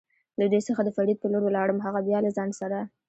له دوی څخه د فرید په لور ولاړم، هغه بیا له ځان سره.